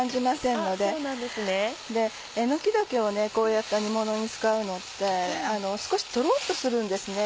えのき茸をこうやって煮ものに使うのって少しとろっとするんですね